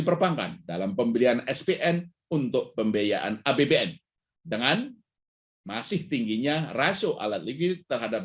perbankan dalam pembelian spn untuk pembiayaan apbn dengan masih tingginya rasio alat ligit terhadap